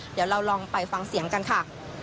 เดี๋ยวเราลองไปฟังเสียงกันค่ะ